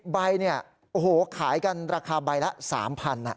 ๑๐ใบขายกันราคาใบละ๓๐๐บาท